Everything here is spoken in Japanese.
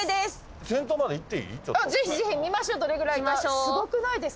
ぜひぜひ見ましょうどれぐらいか。